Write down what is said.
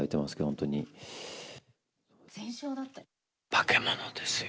化け物ですよ。